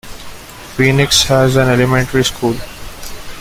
Phoenix has an elementary school.